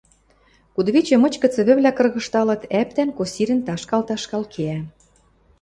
Кудывичӹ мычкы цӹвӹвлӓ кыргыжталыт, ӓптӓн косирӹн ташкал-ташкал кеӓ.